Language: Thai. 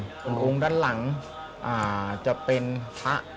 องค์ด้านหลังจะเป็นพระ